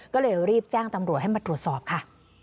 ก็เลยรีบแจ้งตำรวจให้มาตรวจสอบค่ะ